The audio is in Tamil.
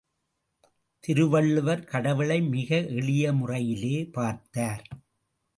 திருவள்ளுவர் கடவுளை மிக எளிய முறையிலே பார்த்தார்.